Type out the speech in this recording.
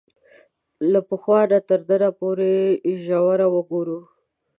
له پخوا تر ننه پورې ژوره وګورو